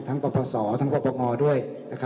ทั้งปรากฏสวัตร์ทั้งภพพักงอด้วย